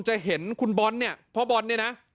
จะเห็นคุณบอลเนี่ยพ่อบอลเนี่ยนะ